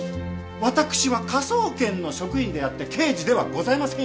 私は科捜研の職員であって刑事ではございませんよね？